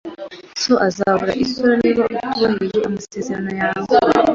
So azabura isura niba utubahirije amasezerano yawe